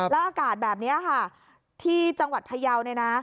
แล้วอากาศแบบนี้ค่ะที่จังหวัดพยาวเนี่ยนะ